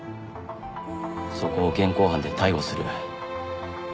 そこを現行犯で逮捕する。